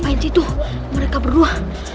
apaan sih itu mereka berdua